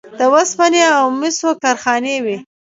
د وسپنې او مسو کارخانې وې